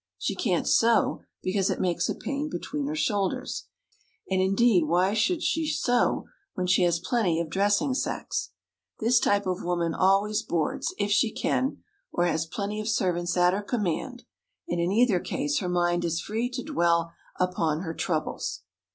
She can't sew, because it makes a pain between her shoulders, and indeed why should she sew when she has plenty of dressing sacks? This type of woman always boards, if she can, or has plenty of servants at her command, and, in either case, her mind is free to dwell upon her troubles.